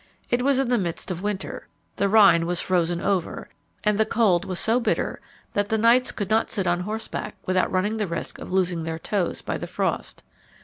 It was in the midst of winter, the Rhine was frozen over, and the cold was so bitter, that the knights could not sit on horseback without running the risk of losing their toes by the frost.